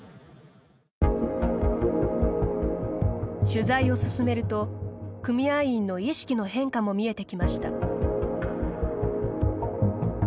取材を進めると、組合員の意識の変化も見えてきました。